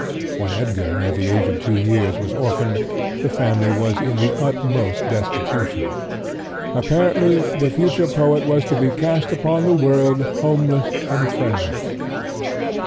When Edgar, at the age of two years, was orphaned, the family was in the utmost destitution. Apparently the future poet was to be cast upon the world homeless and friendless.